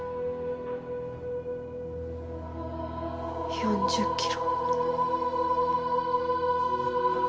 ４０キロ。